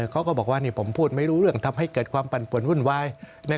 เขาก็บอกว่าผมพูดไม่รู้เรื่องทำให้เกิดความปั่นปวนวุ่นวาย